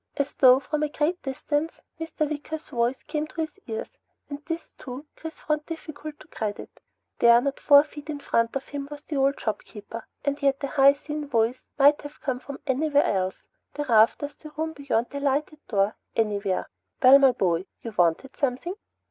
As though from a great distance Mr. Wicker's voice came to his ears, and this too, Chris found difficult to credit. There, not four feet in front of him was the old shopkeeper, and yet the high thin voice might have come from anywhere else the rafters, the room beyond the lighted door; anywhere. "Well, my boy? You wanted something?"